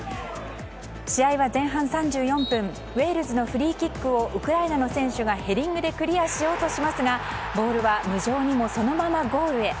試合は前半３４分ウェールズのフリーキックをウクライナの選手がヘディングでクリアしようとしますがボールは無情にもそのままゴールへ。